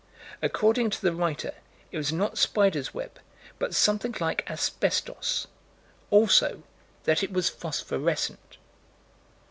According to the writer, it was not spiders' web, but something like asbestos; also that it was phosphorescent.